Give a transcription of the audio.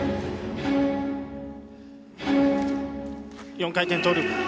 ４回転トーループ。